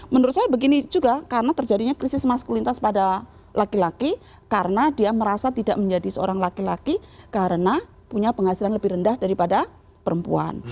menurut saya begini juga karena terjadinya krisis maskulitas pada laki laki karena dia merasa tidak menjadi seorang laki laki karena punya penghasilan lebih rendah daripada perempuan